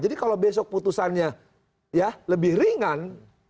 jadi kalau besok putusannya lebih ringan